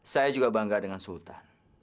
saya juga bangga dengan sultan